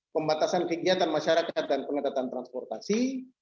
pembatasan kegiatan masyarakat dan pengetatan transportasi